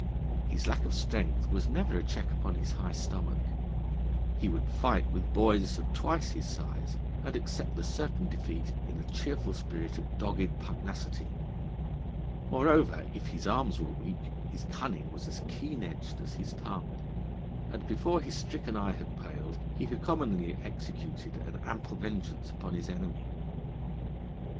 His lack of strength was never a check upon his high stomach; he would fight with boys of twice his size, and accept the certain defeat in a cheerful spirit of dogged pugnacity. Moreover, if his arms were weak, his cunning was as keen edged as his tongue; and, before his stricken eye had paled, he had commonly executed an ample vengeance upon his enemy.